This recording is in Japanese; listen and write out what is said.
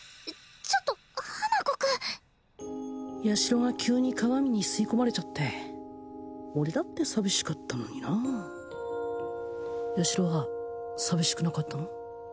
ちょっと花子くヤシロが急に鏡に吸い込まれちゃって俺だって寂しかったのになーヤシロは寂しくなかったの？